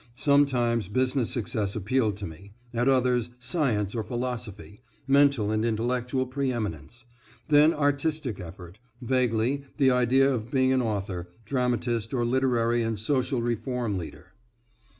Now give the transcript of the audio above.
Sometimes business success appealed to me; at other times, science or philosophy mental and intellectual pre eminence; then artistic effort, vaguely the idea of being an author, dramatist or literary and social reform leader.